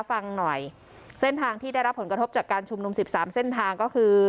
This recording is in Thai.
ฟังหน่อยเส้นทางที่ได้รับผลกระทบจากการชุมนุมสิบสามเส้นทางก็คือ